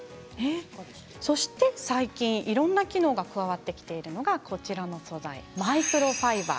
そして最近、いろんな機能が加わってきているのがこちらのマイクロファイバー。